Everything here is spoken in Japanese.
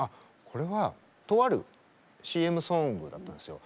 これはとあるＣＭソングだったんですよ。